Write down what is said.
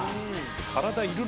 体いるの？